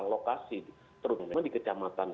lokasi terutama di kecamatan